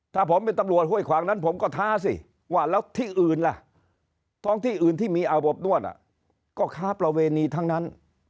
ถ้าผมเป็นตำรวจห้วยขวางนั้นผมก็ท้าสิว่าแล้วที่อื่นล่ะท้องที่อื่นที่มีอาบอบนวดก็ค้าประเวณีทั้งนั้น